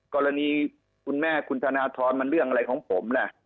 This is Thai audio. กรณีคุณแม่คุณธนทรมันเรื่องอะไรของผมล่ะ